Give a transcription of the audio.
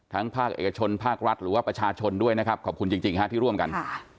ภาคเอกชนภาครัฐหรือว่าประชาชนด้วยนะครับขอบคุณจริงฮะที่ร่วมกัน